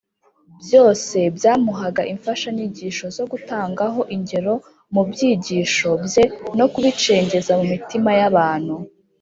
byose byamuhaga imfashanyigisho zo gutangaho ingero mu byigisho bye no kubicengeza mu mitima y’abantu